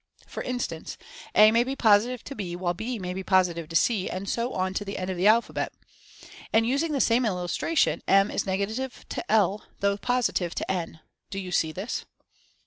For instance, A may be positive to B, while B may be positive to C, and so on to the end of the alphabet. And, using the same illustration, M is nega tive to L, though positive to N. Do you see this